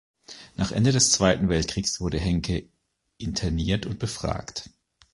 Nach Ende des Zweiten Weltkrieges wurde Hencke interniert und befragt.